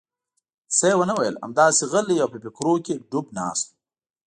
څه یې ونه ویل، همداسې غلی او په فکرونو کې ډوب ناست و.